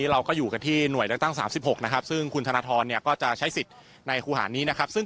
อเจมส์แล้วก็มีกินข้าวกับอพิพิ่มเสร็จจะไปรึยังนะครับ